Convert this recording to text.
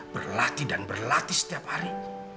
berlatih dan berlatih setiap hari